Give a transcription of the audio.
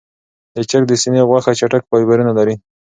د چرګ د سینې غوښه چټک فایبرونه لري.